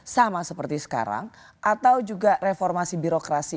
sama seperti sekarang atau juga reformasi birokrasi